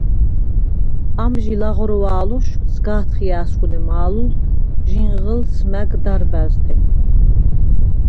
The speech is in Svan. ამჟი ლაღროუ̂ა̄̈ლოშ სგ’ა̄თხჲა̄̈სგუ̂ნე მა̄ლჷლდდ ჟინღჷლდს მა̈გ დარბა̈ზთე.